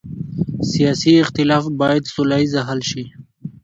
سیاسي اختلاف باید سوله ییز حل شي